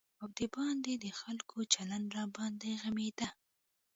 او د باندې د خلکو چلند راباندې غمېده.